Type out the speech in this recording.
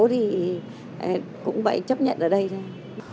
thì cũng vậy chấp nhận ở đây thôi